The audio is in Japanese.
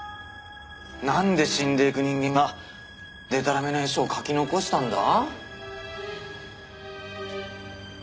なんで死んでいく人間がでたらめな遺書を書き残したんだ？